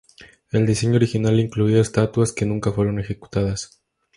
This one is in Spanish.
El diseño original incluía estatuas que nunca fueron ejecutadas.